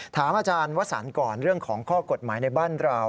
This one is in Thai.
ถามอาจารย์วสันก่อนเรื่องของข้อกฎหมายในบ้านเรา